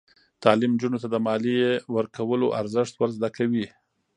تعلیم نجونو ته د مالیې ورکولو ارزښت ور زده کوي.